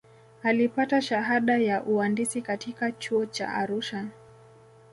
alipata shahada ya uandisi katika chuo cha arusha